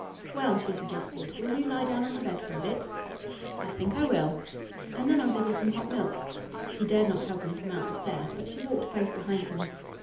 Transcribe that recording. "Well," she suggested, "will you lie down on the bed for a bit?" "I think I will." "And then I'll give you some hot milk." She dared not help him to mount the stairs, but she walked close behind him.